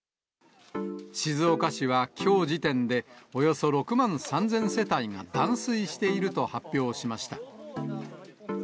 静岡市は、きょう時点で、およそ６万３０００世帯が断水していると発表しました。